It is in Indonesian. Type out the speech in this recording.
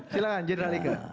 silahkan general ika